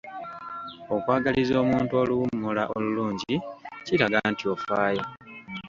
Okwagaliza omuntu oluwummula olulungi kiraga nti ofaayo.